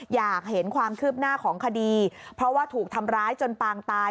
อยากเห็นความคืบหน้าของคดีเพราะว่าถูกทำร้ายจนปางตาย